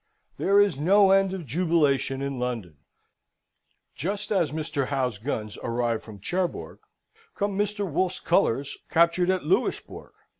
There is no end of jubilation in London; just as Mr. Howe's guns arrive from Cherbourg, come Mr. Wolfe's colours captured at Louisbourg.